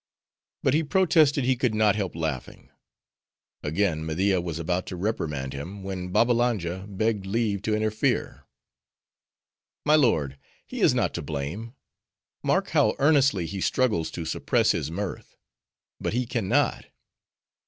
But he protested he could not help laughing. Again Media was about to reprimand him, when Babbalanja begged leave to interfere. "My lord, he is not to blame. Mark how earnestly he struggles to suppress his mirth; but he can not.